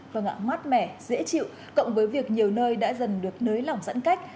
vâng ạ mát mẻ dễ chịu cộng với việc nhiều nơi đã dần được nới lỏng giãn cách